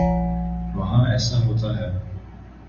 وہاں ایسا ہوتا ہے۔